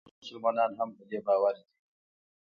یوه ډله مسلمانان هم په دې باور دي.